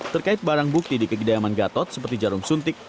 terkait barang bukti di kediaman gatot seperti jarum suntik